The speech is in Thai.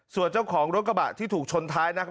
ส่วนเจ้าของรถกระบะที่ถูกชนท้ายนะครับ